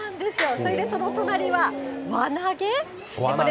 それでその隣は輪投げ。